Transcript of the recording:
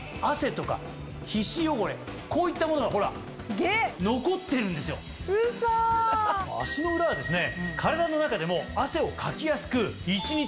こういったものがほら残ってるんですよ。といわれているんですね。